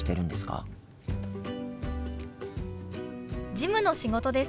事務の仕事です。